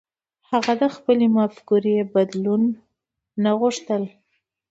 هغه د خپلې مفکورې بدلول نه غوښتل.